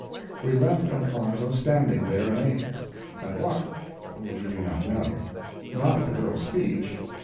We left Elfonzo standing there amazed. At what, we do not know. Not at the girl's speech.